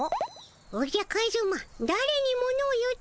おじゃカズマだれにモノを言うておるのじゃ。